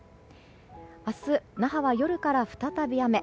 明日、那覇は夜から再び雨。